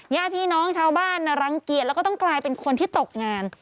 ญาติพี่น้องชาวบ้านรังเกียจแล้วก็ต้องกลายเป็นคนที่ตกงาน